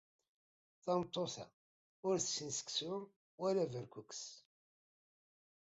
Tameṭṭut-a, ur tessin seksu, wala berkukes